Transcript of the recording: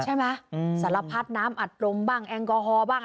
สารพัดน้ำอัดลมบ้างแอลกอฮอล์บ้าง